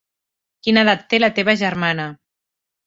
Quina edat que té la teva germana.